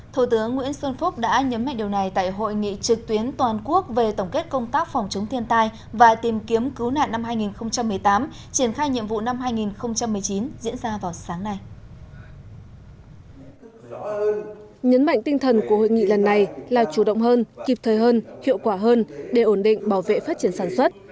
thủ tướng nguyễn xuân phúc đã nhấn mạnh điều này tại hội nghị trực tuyến toàn quốc về tổng kết công tác phòng chống thiên tai và tìm kiếm cứu nạn năm hai nghìn một mươi tám triển khai nhiệm vụ năm hai nghìn một mươi chín diễn ra vào sáng nay